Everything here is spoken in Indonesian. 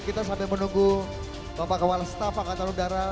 kita sambil menunggu bapak kewala staff pak katarung darah